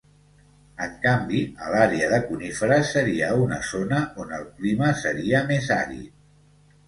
En canvi, a l’àrea de coníferes seria una zona on el clima seria més àrid.